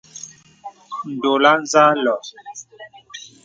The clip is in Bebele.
Ndɔ̌là zà lɔ̄ɔ̄.